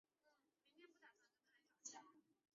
顺治丙戌举人。